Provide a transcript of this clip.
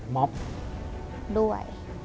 มอบด้วย